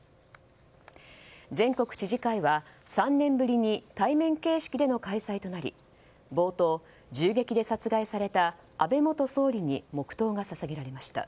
全国知事会は３年ぶりに対面形式での開催となり冒頭、銃撃で殺害された安倍元総理に黙祷が捧げられました。